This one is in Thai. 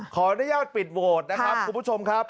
ขออนุญาตปิดโหวตนะครับคุณผู้ชมครับ